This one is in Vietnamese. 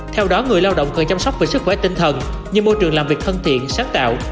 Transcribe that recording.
theo đó người lao động cần chăm sóc về sức khỏe tinh thần như môi trường làm việc thân thiện sáng tạo